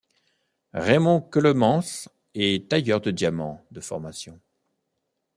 Raymond Ceulemans est tailleur de diamants de formation.